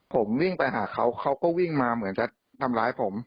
ผมวิ่งไปหาเขาเขาก็วิ่งมาเหมือนจะทำร้ายผม